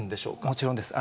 もちろんです。